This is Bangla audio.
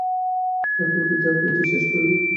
সে তার পথে যা পেয়েছে শেষ করে দিয়েছে।